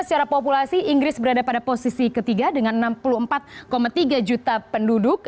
secara populasi inggris berada pada posisi ketiga dengan enam puluh empat tiga juta penduduk